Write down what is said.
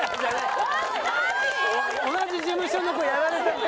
同じ事務所の子やられちゃって。